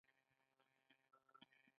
ایا زه سرکه کارولی شم؟